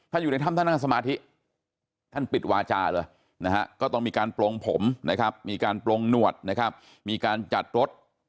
อยู่ในถ้ำท่านนั่งสมาธิท่านปิดวาจาเลยนะฮะก็ต้องมีการปลงผมนะครับมีการปลงหนวดนะครับมีการจัดรถ